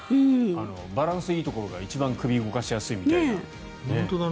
バランスいいところが一番首を動かしやすいみたいな。